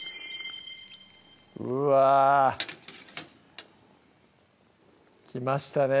うわきましたね